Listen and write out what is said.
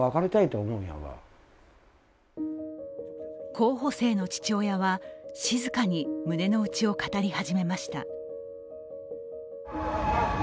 候補生の父親は静かに胸の内を語り始めました。